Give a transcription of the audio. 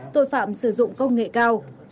tội phạm sử dụng công nghệ cao